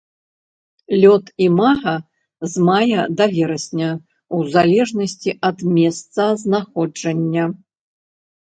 Лёт імага з мая да верасня ў залежнасці ад месцазнаходжання.